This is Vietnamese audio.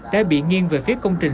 đã bị nghiêng về phía công trình